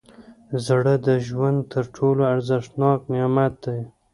زړه د ژوند تر ټولو ارزښتناک نعمت دی.